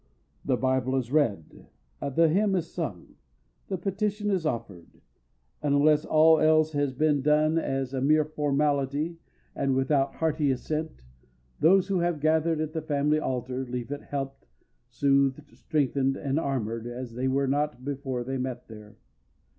The Bible is read, the hymn is sung, the petition is offered, and unless all has been done as a mere formality and without hearty assent, those who have gathered at the family altar leave it helped, soothed, strengthened, and armored as they were not before they met there.